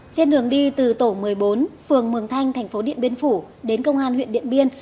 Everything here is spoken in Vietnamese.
trên đường đi từ tổ một mươi bốn phường mường thanh thành phố điện biên phủ đến công an huyện điện biên